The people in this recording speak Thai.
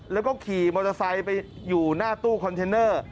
แล้วก็ขี่มอเตอร์ไซค์ไปอยู่หน้าตู้คอนเทนเนอร์